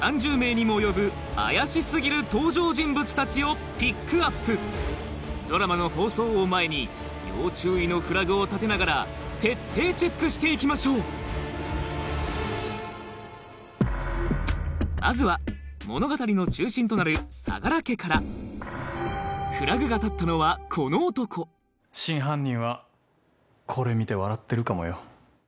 続いてはをピックアップドラマの放送を前に要注意のフラグを立てながら徹底チェックして行きましょうまずは物語の中心となる相良家からフラグが立ったのはこの男真犯人はこれ見て笑ってるかもよ。